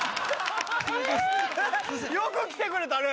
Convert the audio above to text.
よく来てくれたね！